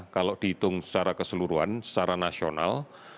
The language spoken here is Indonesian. kalau dihitung secara keseluruhan secara nasional